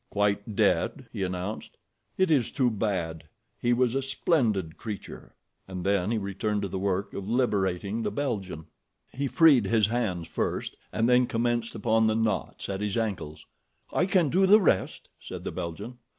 "Quite dead," he announced. "It is too bad—he was a splendid creature," and then he turned to the work of liberating the Belgian. He freed his hands first, and then commenced upon the knots at his ankles. "I can do the rest," said the Belgian.